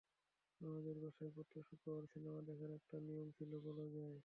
আমাদের বাসায় প্রত্যেক শুক্রবারে সিনেমা দেখার একটা নিয়ম ছিল বলা যায়।